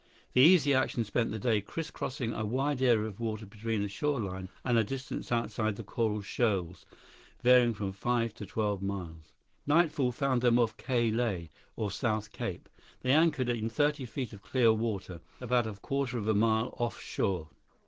The Easy Action spent the day crisscrossing a wide area of water between the shore line and a distance outside the coral shoals, varying from five to twelve miles. Nightfall found them off Ka Lae, or South Cape. They anchored in thirty feet of clear water, about a quarter of a mile off shore.